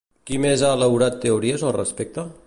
Qui més ha elaborat teories al respecte?